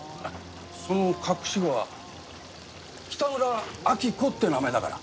その隠し子は北村明子って名前だから。